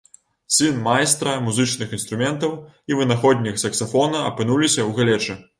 Сын майстра музычных інструментаў і вынаходнік саксафона апынуліся ў галечы.